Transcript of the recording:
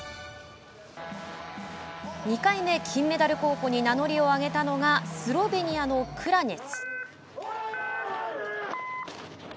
２回目金メダル候補に名乗りを上げたのがスロベニアのクラニェツ。